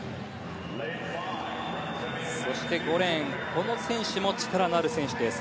そして５レーン、この選手も力のある選手です。